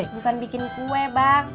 bukan bikin kue bang